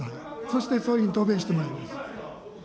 そして総理に答弁してもらいます。